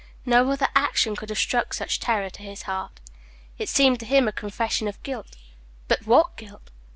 No other action could have struck such terror to his heart. It seemed to him a confession of guilt. But what guilt?